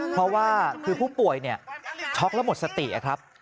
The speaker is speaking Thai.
เพราะว่าคือผู้ป่วยช็อกแล้วหมดสติครับ